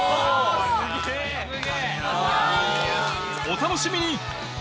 お楽しみに！